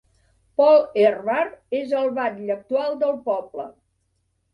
Paul Ehrbar és el batlle actual del poble.